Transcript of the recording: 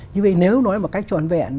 như vậy nếu nói một cách tròn vẹn